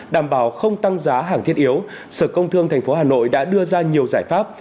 đảm bảo không tăng giá hàng thiết yếu sở công thương tp hà nội đã đưa ra nhiều giải pháp